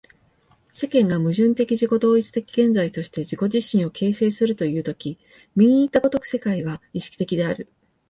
世界が矛盾的自己同一的現在として自己自身を形成するという時右にいった如く世界は意識的である。